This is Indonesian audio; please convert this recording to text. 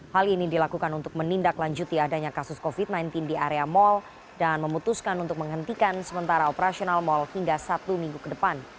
hal ini dilakukan untuk menindaklanjuti adanya kasus covid sembilan belas di area mal dan memutuskan untuk menghentikan sementara operasional mal hingga satu minggu ke depan